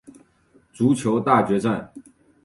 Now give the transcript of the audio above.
足球大决战！